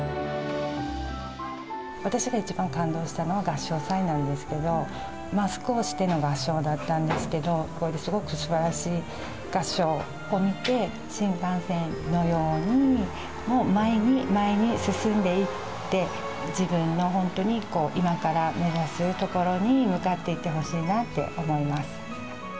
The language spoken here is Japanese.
私が一番感動したのは、合唱祭なんですけど、マスクをしての合唱だったんですけど、すごくすばらしい合唱を見て、新幹線のように前に前に進んでいって、自分の本当に今から目指すところに向かっていってほしいなって思います。